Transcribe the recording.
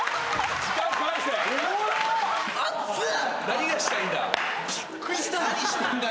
・何がしたいんだ！